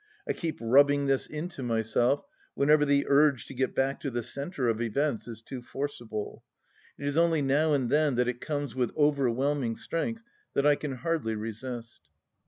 I keep rubbing this into myself whenever the " urge " to get back to the centre of events is too forcible. It is only now and then that it comes with overwhelming strength that I can hardly resist.